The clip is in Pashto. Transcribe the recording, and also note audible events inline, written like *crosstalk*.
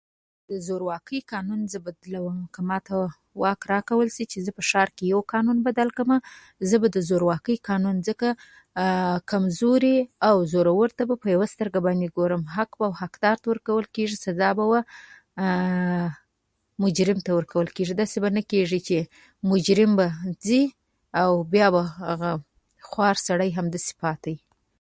زورواکي قانون زه بدلوم. که ماته واک راکول شي چې زه په ښار کې یو قانون بدل کړمه، زه به د زورواکۍ قانون، ځکه *hesitation* کمزورې او زورو ته به یوه سترګه ګورم. حق به حقدار ته ورکول کېږي، سزا به مجرم ته ورکول کېږي. داسې به نه کېږي چې مجرم به ځي او بیا به هغه خوار سړی همداسې پاتې وي.